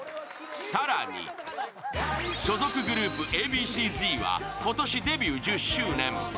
更に、所属グループ、Ａ．Ｂ．Ｃ−Ｚは今年デビュー１０周年。